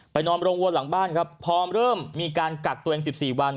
นอนโรงวัวหลังบ้านครับพอเริ่มมีการกักตัวเอง๑๔วัน